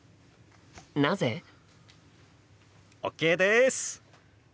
なぜ？ＯＫです！